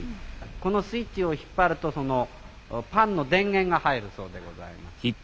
このスイッチを引っ張るとパンの電源が入るそうでございます。